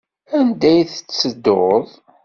Anda ay tettedduḍ?